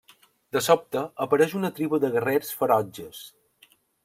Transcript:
De sobte, apareix una tribu de guerrers ferotges.